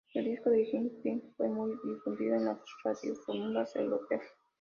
Del disco el single "Telling Stories" fue muy difundido en las radiofórmulas europeas.